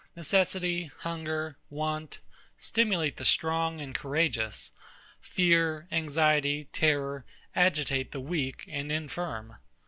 Necessity, hunger, want, stimulate the strong and courageous: Fear, anxiety, terror, agitate the weak and infirm.